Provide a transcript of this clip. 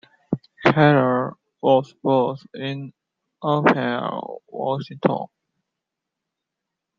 Keller was born in Olympia, Washington.